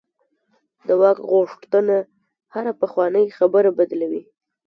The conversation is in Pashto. د واک غوښتنه هره پخوانۍ خبره بدلوي.